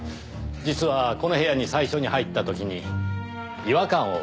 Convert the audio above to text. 実はこの部屋に最初に入った時に違和感を感じましてねぇ。